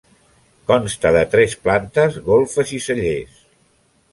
Consta de tres plantes, golfes i cellers.